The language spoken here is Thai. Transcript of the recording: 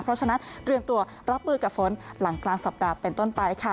เพราะฉะนั้นเตรียมตัวรับมือกับฝนหลังกลางสัปดาห์เป็นต้นไปค่ะ